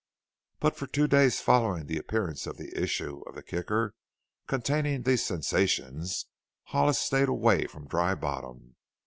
But for two days following the appearance of the issue of the Kicker containing these sensations, Hollis stayed away from Dry Bottom.